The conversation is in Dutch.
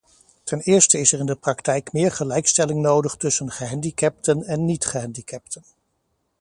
Ten eerste is er in de praktijk meer gelijkstelling nodig tussen gehandicapten en niet-gehandicapten.